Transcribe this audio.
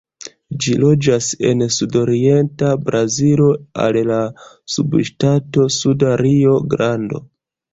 Ĝi loĝas en sudorienta Brazilo al la subŝtato Suda Rio-Grando.